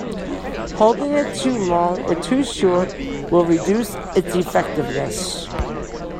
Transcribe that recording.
Holding it too long or too short will reduce its effectiveness.